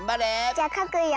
じゃかくよ。